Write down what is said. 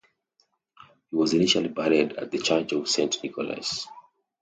He was initially buried at the Church of Saint Nicholas.